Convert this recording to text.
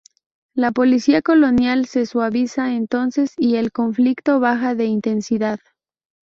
La política colonial se suaviza entonces y el conflicto baja de intensidad.